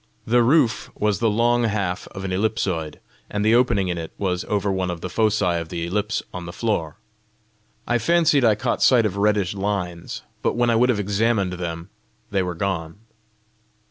The roof was the long half of an ellipsoid, and the opening in it was over one of the foci of the ellipse of the floor. I fancied I caught sight of reddish lines, but when I would have examined them, they were gone.